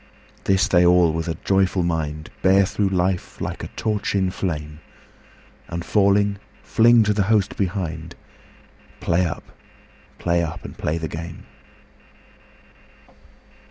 This they all with a joyful mind Bear through life like a torch in flame, And falling fling to the host behind "Play up! play up! and play the game!"